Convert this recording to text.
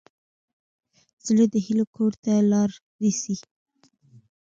زړه د هیلو کور ته لار نیسي.